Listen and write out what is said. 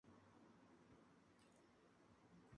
Atsushi Nagai